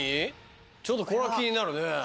ちょっとこれは気になるね。